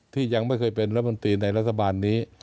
ที่ยังไม่เคยเป็นรัฐมนตรีในรัฐบาลนี้